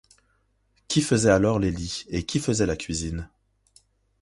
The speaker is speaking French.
Qui faisait alors les lits et qui faisait la cuisine ?